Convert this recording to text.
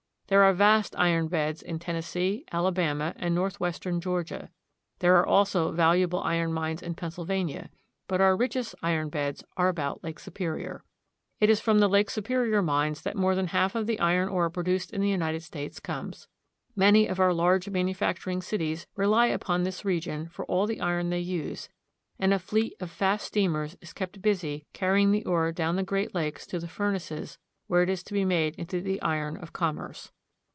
There are vast iron beds in Tennessee, Alabama, and northwestern Georgia; there are also valuable iron mines in Pennsylvania ; but our richest iron beds are about Lake Superior. It is from the Lake Superior mines that more than half the iron ore produced in the United States comes. Many of our large manufacturing cities rely upon this region for all the iron they use, and a fleet of fast steamers is kept busy carrying the ore down the Great Lakes to the furnaces where it is to be made into the iron of commerce.